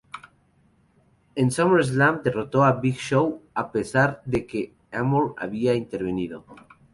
En SummerSlam, derrotó a Big Show a pesar de que Amore había intervenido.